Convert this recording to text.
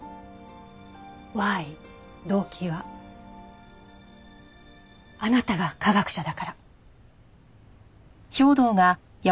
ＷＨＹ動機はあなたが科学者だから。